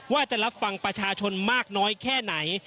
ว่าจะรับฟังประชาชนมากน้อยแค่ไหน